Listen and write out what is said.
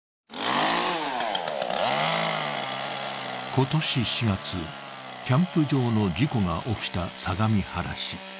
今年４月、キャンプ場の事故が起きた相模原市。